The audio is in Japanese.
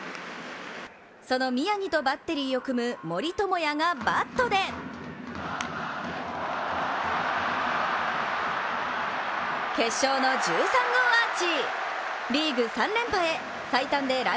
その宮城とバッテリーを組む森友哉がバットで決勝の１３号アーチ。